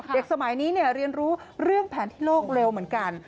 สมัยนี้เรียนรู้เรื่องแผนที่โลกเร็วเหมือนกัน